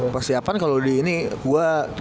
persiapan kalo di ini gue